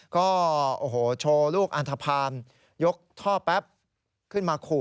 ก็โอ้โหโชว์ลูกอันทภาณยกท่อแป๊บขึ้นมาขู่